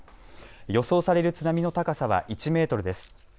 予想される津波の高さは１メートルです。